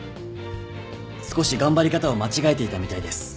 少し頑張り方を間違えていたみたいです。